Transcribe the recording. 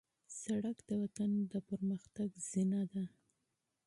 سړک د وطن د پرمختګ زینه ده.